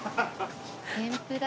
天ぷら？